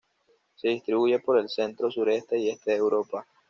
Se distribuye por el centro, sureste y este de Europa.